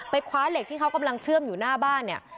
คว้าเหล็กที่เขากำลังเชื่อมอยู่หน้าบ้านเนี่ย